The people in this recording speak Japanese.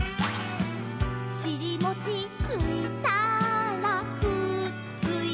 「しりもちついたらくっついた」